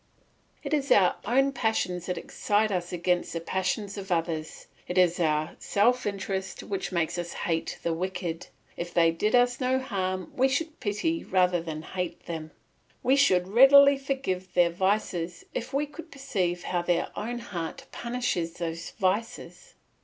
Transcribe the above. It is our own passions that excite us against the passions of others; it is our self interest which makes us hate the wicked; if they did us no harm we should pity rather than hate them. We should readily forgive their vices if we could perceive how their own heart punishes those vices.